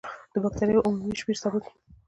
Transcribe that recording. د بکټریاوو عمومي شمېر ثابت پاتې کیږي.